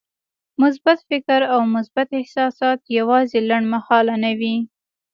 مثبت فکر او مثبت احساسات يوازې لنډمهاله نه وي.